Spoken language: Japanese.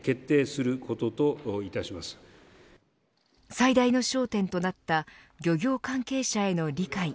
最大の焦点となった漁業関係者への理解。